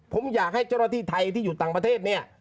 ผมอยากให้เจ้าหน้าที่ไทยที่อยู่ต่างประเทศเนี่ย